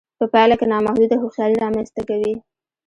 په پایله کې نامحدوده هوښیاري رامنځته کوي